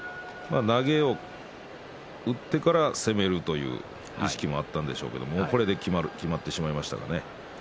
投げを打ってから攻めるという意識もあったんでしょうけれどもこれで決まってしまいましたね。